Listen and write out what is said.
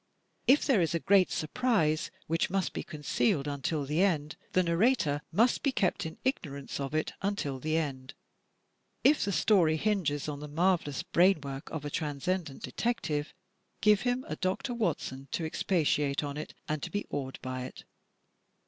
If there is a great surprise which must be concealed until the end, the narrator must be kept in ignorance of it imtil the end. If the story hinges on the marvelous brain work 288 THE TECHNIQUE OF THE MYSTERY STORY of a transcendent detective, give him a Dr. Watson to expatiate on it and to be awed by it.